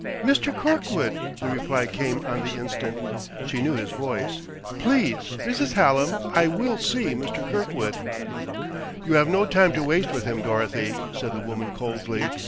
"Mr. Kirkwood!" the reply came on the instant. She knew his voice! "Please, Mrs. Hallam, I will see Mr. Kirkwood." "You have no time to waste with him, Dorothy," said the woman coldly.